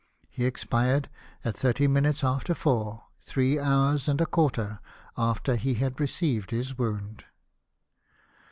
He expired at thirty minutes after four, three hours and a quarter after he had received his wound.